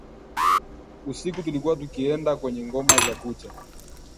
Usiku tulikuwa tukienda kwenye ngoma za kucha